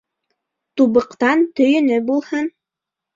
Тубыҡтан төйөнө булһын.